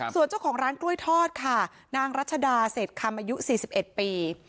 ส่วนเจ้าของร้านกล้วยทอดค่ะนางรัชดาเศษคำอายุ๔๑ปี